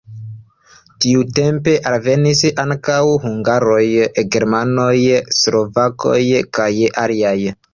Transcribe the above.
Tiutempe alvenis ankaŭ hungaroj, germanoj, slovakoj kaj aliaj.